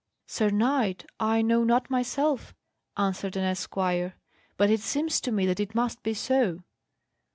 "Sir Knight, I know not myself," answered an esquire; "but it seemed to me that it must be so."